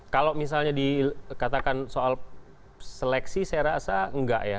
kalau misalnya dikatakan soal seleksi saya rasa enggak ya